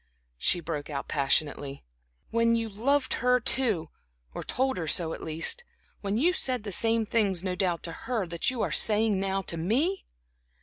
she broke out passionately, "when you loved her too, or told her so at least, when you said the same things no doubt to her that you are saying now to me?"